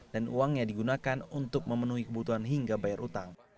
dan uangnya digunakan untuk memenuhi kebutuhan hingga bayar utang